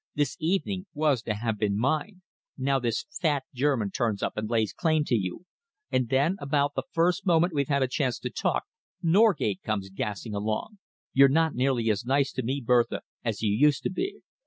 This evening was to have been mine. Now this fat German turns up and lays claim to you, and then, about the first moment we've had a chance to talk, Norgate comes gassing along. You're not nearly as nice to me, Bertha, as you used to be."